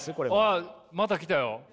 ああまた来たよ。